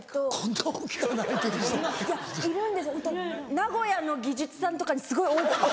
名古屋の技術さんとかにすごい多くて。